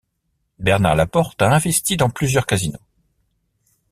Bernard Laporte a investi dans plusieurs casinos.